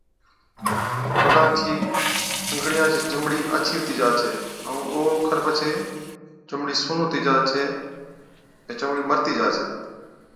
پگان چي انگڙِيان چِي چمڙِي آڇِي هُتِي جا ڇَي ائُون او کن پڇي چمڙِي سُن هُتِي جا ڇَي (چمڙِي مرتِي جا ڇَي)